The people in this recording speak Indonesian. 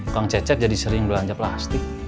kang cecep jadi sering belanja plastik